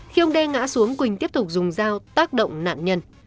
khi ông đê ngã xuống quỳnh tiếp tục dùng dao tác động nạn nhân